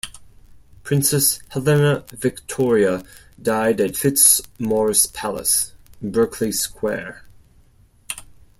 Princess Helena Victoria died at Fitzmaurice Place, Berkeley Square.